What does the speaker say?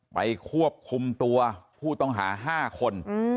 ไปควบคุมตัวผู้ต้องหา๕คน